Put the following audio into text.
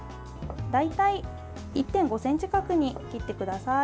大体１．５ｃｍ角に切ってください。